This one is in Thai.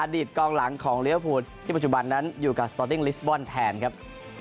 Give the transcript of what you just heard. กองหลังของลิเวอร์พูลที่ปัจจุบันนั้นอยู่กับสตอติ้งลิสบอลแทนครับ